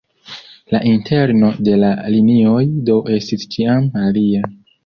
La interno de la linioj do estis ĉiam alia.